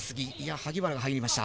萩原が入りました。